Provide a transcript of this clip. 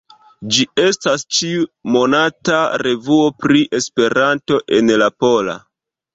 Ĝi estas ĉiu-monata revuo pri Esperanto en la pola.